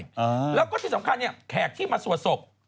แล้วก็ที่สำคัญเนี่ยแขกที่มาสวดศพ